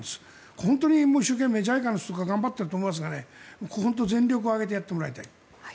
本当に一生懸命、ＪＩＣＡの人が頑張っていると思いますが本当、全力を挙げてやってもらいたい。